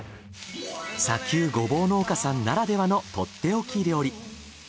砂丘ゴボウ農家さんならではのとっておき料理。